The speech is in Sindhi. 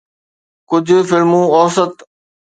ڪجھ فلمون اوسط